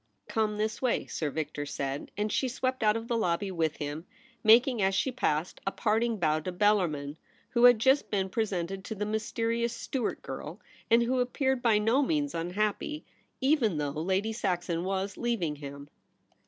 ' Come this way,' Sir Victor said, and she swept out of the lobby with him, making, as she passed, a parting bow to Bellarmin, who had just been presented to the mysterious Stuart girl, and who appeared by no means unhappy, even though Lady Saxon w^as leav ing him.